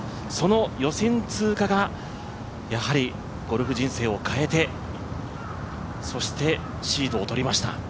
その予選通過がやはりゴルフ人生を変えてそしてシードを取りました、